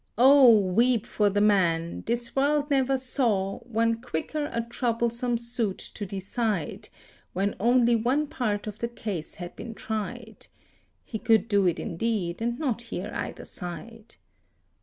O weep for the man! This world never saw One quicker a troublesome suit to decide, When only one part of the case had been tried, (He could do it indeed and not hear either side).